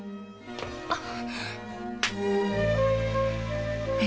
あっ！